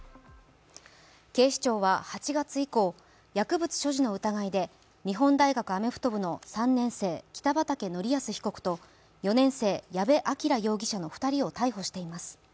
警視庁は８月以降、薬物所持の疑いで日本大学アメフト部の３年生の北畠成文被告と４年生、矢部鑑羅容疑者の２人を逮捕しています。